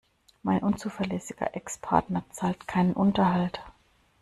Mein unzuverlässiger Ex-Partner zahlt keinen Unterhalt.